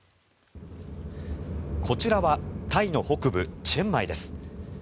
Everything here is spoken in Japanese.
こちらはタイの北部チェンマイです。